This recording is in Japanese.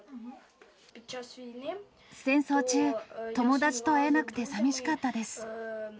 戦争中、友達と会えなくてさみしかったです。